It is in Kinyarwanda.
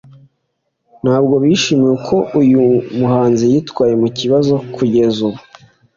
ntabwo bishimiye uko uyu muhanzi yitwaye mu kibazo kugeza ubu